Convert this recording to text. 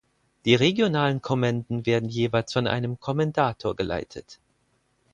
Die regionalen Kommenden werden jeweils von einem Kommendator geleitet.